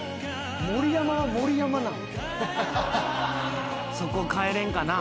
盛山は盛山なの！？